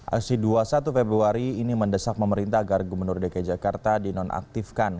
aksi dua puluh satu februari ini mendesak pemerintah agar gubernur dki jakarta dinonaktifkan